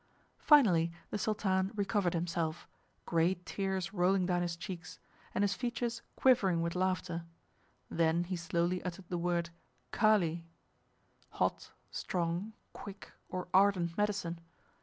Finally the Sultan recovered himself, great tears rolling down his cheeks, and his features quivering with laughter, then he slowly uttered the word 'kali,' hot, strong, quick, or ardent medicine.